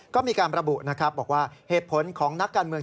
ก็มีการระบุนะครับบอกว่าเหตุผลของนักการเมือง